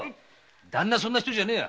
旦那はそんな人じゃねえや。